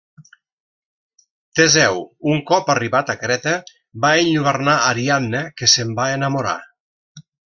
Teseu, un cop arribat a Creta, va enlluernar Ariadna, que se'n va enamorar.